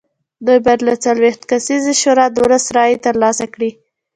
دوی باید له څلوېښت کسیزې شورا دولس رایې ترلاسه کړې وای